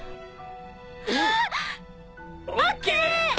あっ！ＯＫ！